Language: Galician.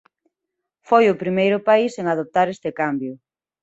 Foi o primeiro país en adoptar este cambio.